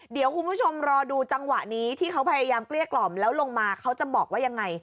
เดี๋ยวคุณผู้ชมรอดูจังหวะนี้ที่เขาพยายามเกลี้ยกล่อมแล้วลงมาเขาจะบอกว่ายังไง